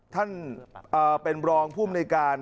ท่านเป็นรองผู้อำนวยการ